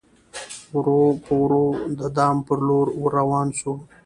ورو په ورو د دام پر لوري ور روان سو